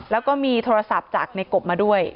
แล้วก็มีโทรศัพท์จากในกบมาด้วย